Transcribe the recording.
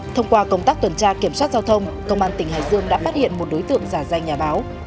thông qua công tác tuần tra kiểm soát giao thông công an tỉnh hải dương đã phát hiện một đối tượng giả danh nhà báo